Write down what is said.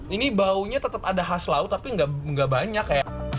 ini baunya tetap ada khas laut tapi nggak banyak ya